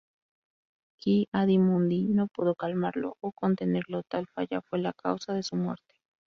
Ki-Adi-Mundi, no pudo calmarlo o contenerlo, tal falla fue la causa de su muerte.